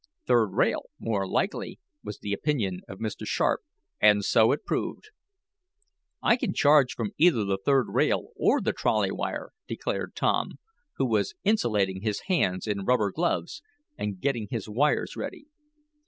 "Third rail, more likely," was the opinion of Mr. Sharp and so it proved. "I can charge from either the third rail or the trolley wire," declared Tom, who was insulating his hands in rubber gloves, and getting his wires ready.